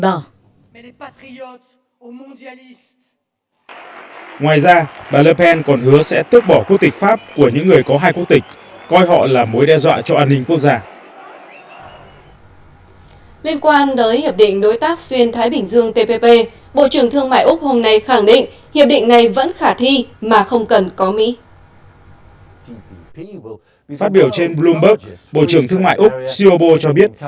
phát biểu trên bloomberg bộ trưởng thương mại úc xiobo cho biết các nước tham gia tpp đã rất vất vả trong nhiều năm để đàm phán tpp